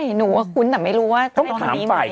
หนูหวังถึงแต่ไม่รู้ว่าโลกนี้ไหม